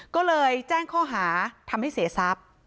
ก็เลยแจ้งข้อหาทำให้เสียทรัพย์